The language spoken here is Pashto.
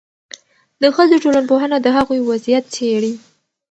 د ښځو ټولنپوهنه د هغوی وضعیت څېړي.